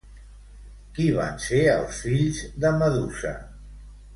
Qui van ser els fills de Medusa?